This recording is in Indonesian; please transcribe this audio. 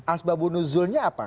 asbabun nuzulnya apa